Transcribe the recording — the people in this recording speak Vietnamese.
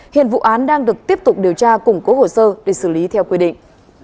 hiện vụ án đang được tiếp tục điều tra củng cố hồ sơ để xử lý theo quy định